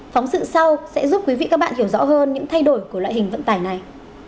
phóng sự sau sẽ giúp quý vị các bạn hiểu rõ hơn những thay đổi của loại hình vận tải này